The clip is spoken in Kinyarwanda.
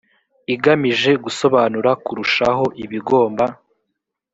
igamije gusobanura kurushaho ibigomba